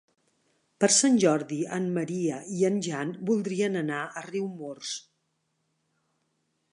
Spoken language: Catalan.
Per Sant Jordi en Maria i en Jan voldrien anar a Riumors.